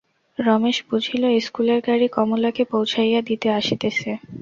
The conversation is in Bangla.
রমেশ বুঝিল, ইস্কুলের গাড়ি কমলাকে পৌঁছাইয়া দিতে আসিতেছে।